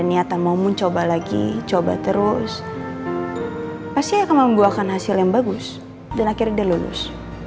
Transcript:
niatan mau mencoba lagi coba terus pasti akan membuahkan hasil yang bagus dan akhirnya dia lulus